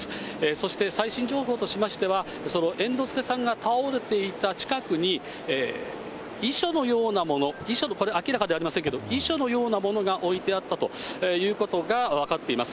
そして、最新情報としましては、その猿之助さんが倒れていた近くに、遺書のようなもの、遺書かこれは明らかではありませんけれども、遺書のようなものが置いてあったということが分かっています。